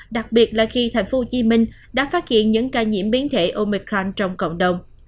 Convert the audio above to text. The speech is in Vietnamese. đặc biệt là khi thành phố hồ chí minh đã phát hiện những ca nhiễm biến thể omicron trong cộng đồng